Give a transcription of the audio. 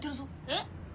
えっ？